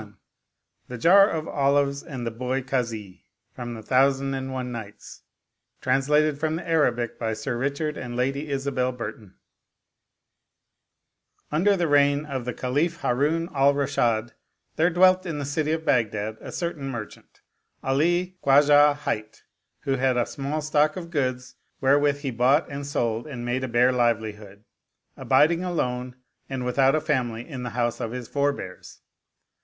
124 The Jar of Olives and the Boy Kazi The yar of Olives and the Boy Kazi From the Arabic UNDER the reign of the Caliph Harun al Rashid there dwelt in the city of Baghdad a certain merchant, 'Ali Khwajah hight, who had a small stock of goods wherewith he bought and sold and made a bare livelihood, abiding alone and without a family in the house of his forbears.